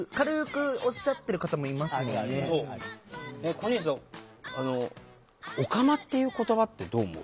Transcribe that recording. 小西さん「オカマ」っていう言葉ってどう思う？